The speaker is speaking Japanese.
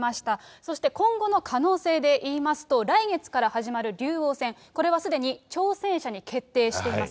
そして今後の可能性で言いますと、来月から始まる竜王戦、これはすでに挑戦者に決定しています。